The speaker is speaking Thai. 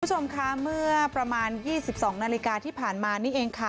คุณผู้ชมคะเมื่อประมาณ๒๒นาฬิกาที่ผ่านมานี่เองค่ะ